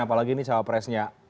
apalagi nih cawapresnya